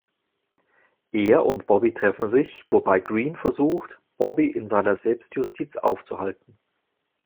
Er und Bobby treffen sich, wobei Green versucht, Bobby in seiner Selbstjustiz aufzuhalten.